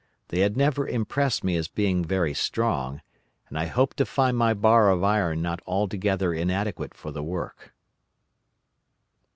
They had never impressed me as being very strong, and I hoped to find my bar of iron not altogether inadequate for the work.